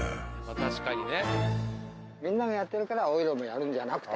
確かにね。